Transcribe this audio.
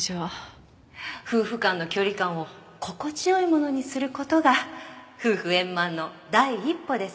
「夫婦間の距離感を心地よいものにする事が夫婦円満の第一歩です」